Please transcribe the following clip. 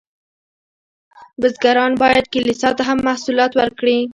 بزګران باید کلیسا ته هم محصولات ورکړي.